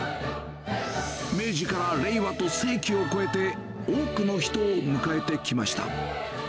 明治から令和と世紀を越えて、多くの人を迎えてきました。